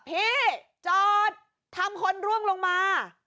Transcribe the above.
พี่จอดทำคนร่วงลงมา